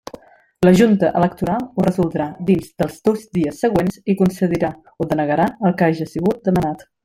La Junta Electoral ho resoldrà dins dels dos dies següents i concedirà o denegarà el que haja sigut demanat.